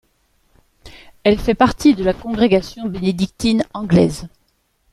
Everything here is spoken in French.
Elle fait partie de la congrégation bénédictine anglaise.